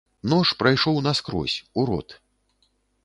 Нож прайшоў наскрозь, у рот.